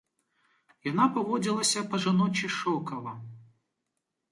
Яна паводзілася па-жаночы шокава.